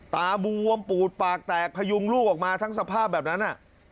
บวมปูดปากแตกพยุงลูกออกมาทั้งสภาพแบบนั้น